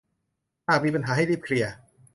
หากมีปัญหาให้รีบเคลียร์